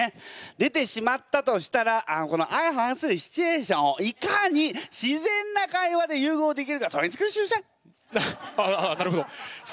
出てしまったとしたらこの相反するシチュエーションをいかに自然な会話で融合できるかそれにつきるでしょうね。